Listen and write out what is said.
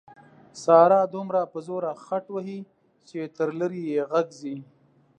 ساره دومره په زوره خټ وهي چې تر لرې یې غږ ځي.